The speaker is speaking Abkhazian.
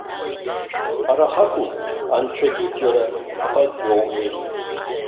Ҳара ҳакәым, анцәагьы џьара гхак иоухьеит.